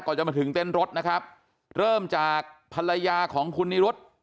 จะมาถึงเต้นรถนะครับเริ่มจากภรรยาของคุณนิรุธ